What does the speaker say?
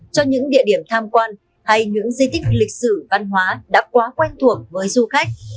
cho những địa điểm tham quan hay những di tích lịch sử văn hóa đã quá quen thuộc với du khách